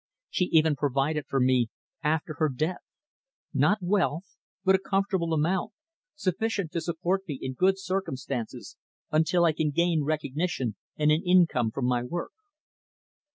She even provided for me after her death not wealth, but a comfortable amount, sufficient to support me in good circumstances until I can gain recognition and an income from my work."